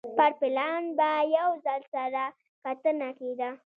پر پلان به یو ځل له سره کتنه کېده